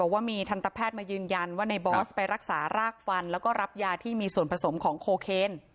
ว่ามีทันตแพทย์มายืนยันว่าในบอสไปรักษารากฟันแล้วก็รับยาที่มีส่วนผสมของโคเคน